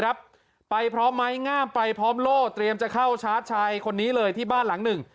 ไปพร้อมไม้งามไปพร้อมโล่เตรียมจะเข้าชาร์จชายคนนี้เลยที่บ้านหลังหนึ่ง